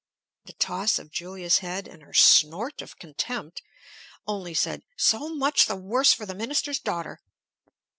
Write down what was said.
The toss of Julia's head, and her snort of contempt only said, "So much the worse for the minister's daughter!"